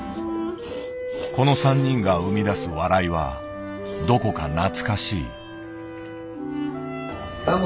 この３人が生み出す笑いはどこか懐かしい。